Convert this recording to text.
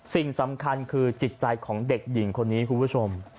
สิ่งสำคัญคือจิตใจของเด็กหญิงคนนี้คุณผู้ชม